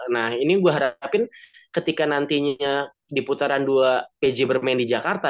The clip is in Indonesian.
nah ini gue harapin ketika nantinya di putaran dua pj bermain di jakarta